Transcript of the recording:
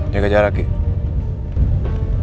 jaga jarak ya